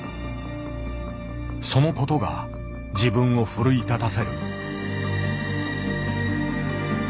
そのことが自分を奮い立たせる。